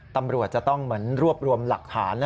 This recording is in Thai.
ตำรวจจะต้องเหมือนรวบรวมหลักฐาน